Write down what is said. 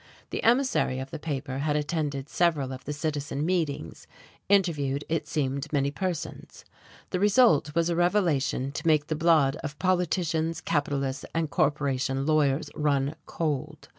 The emissary of the paper had attended several of the Citizens meetings; interviewed, it seemed, many persons: the result was a revelation to make the blood of politicians, capitalists and corporation lawyers run cold.